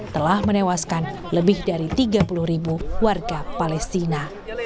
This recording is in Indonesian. telah menewaskan lebih dari tiga puluh ribu warga palestina